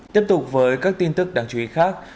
tiếp tục với các tin tức đáng chú ý khác